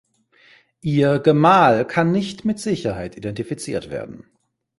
Ihr Gemahl kann nicht mit Sicherheit identifiziert werden.